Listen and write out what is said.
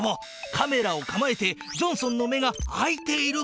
カメラをかまえてジョンソンの目が開いているかをかくにんしろ。